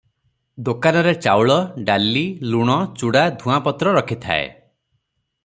ଦୋକାନରେ ଚାଉଳ, ଡାଲି, ଲୁଣ, ଚୁଡ଼ା, ଧୂଆଁପତ୍ର ରଖିଥାଏ ।